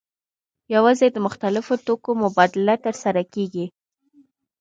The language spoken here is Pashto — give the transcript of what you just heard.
یوازې د مختلفو توکو مبادله ترسره کیږي.